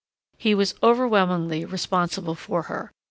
He was overwhelmingly responsible for her.